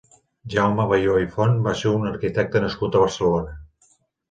Jaume Bayó i Font va ser un arquitecte nascut a Barcelona.